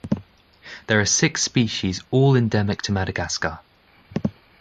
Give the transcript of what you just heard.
There are six species, all endemic to Madagascar.